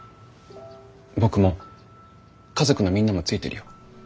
僕も家族のみんなもついてるよ。